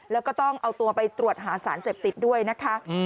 แล้วก็ต้องเอาตัวไปตรวจหาสารเสพติดด้วยนะคะ